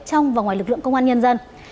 trong và ngoài lực lượng công an nhân dân